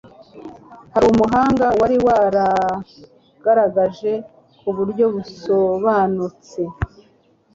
harumuhanga, wari waraaragaragaje ku buryo busobanutse